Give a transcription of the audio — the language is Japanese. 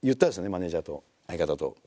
マネージャーと相方と。